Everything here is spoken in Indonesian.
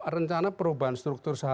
rencana perubahan struktur